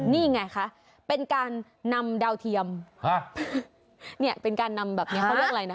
นี่ไงคะเป็นการนำดาวเทียมเนี่ยเป็นการนำแบบนี้เขาเรียกอะไรนะ